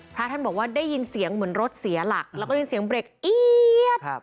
พระท่านบอกว่าได้ยินเสียงเหมือนรถเสียหลักแล้วก็ได้ยินเสียงเบรกเอี๊ยด